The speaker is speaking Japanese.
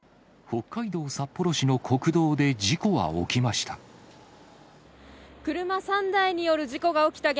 北海道札幌市の国道で事故は起きました。